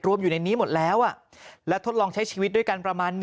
อยู่ในนี้หมดแล้วและทดลองใช้ชีวิตด้วยกันประมาณ